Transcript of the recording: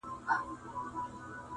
ورور مي اخلي ریسوتونه ښه پوهېږم,